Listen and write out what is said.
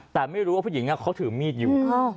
แต่ไม่รู้ว่าผู้หญิงเขาถือมีดอยู่